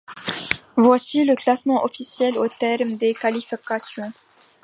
Voici le classement officiel au terme des qualifications.